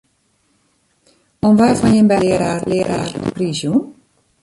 Oan wa fan jim beiden hat de learaar de priis jûn?